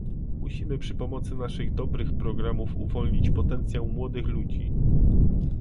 Musimy przy pomocy naszych dobrych programów uwolnić potencjał młodych ludzi